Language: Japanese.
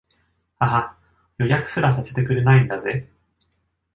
ははっ、予約すらさせてくれないんだぜ